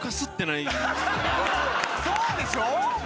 そうでしょ？